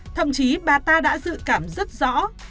thậm chí bà ta đã dự cảm rất rõ